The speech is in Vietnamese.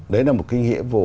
đấy là một cái nghĩa vụ